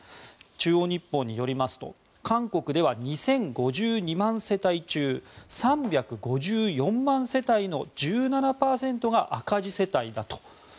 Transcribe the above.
中央日報によりますと韓国では２０５２万世帯中３５４万世帯の１７％が赤字世帯だと。